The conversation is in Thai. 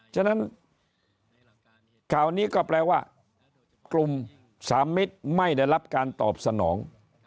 ฉะนั้นข่าวนี้ก็แปลว่ากลุ่มสามมิตรไม่ได้รับการตอบสนอง